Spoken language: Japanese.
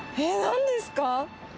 何ですか？